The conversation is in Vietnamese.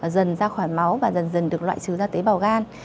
dần ra khỏi máu và dần dần được loại trừ ra tế bào gan